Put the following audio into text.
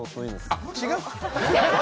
あっ、違う。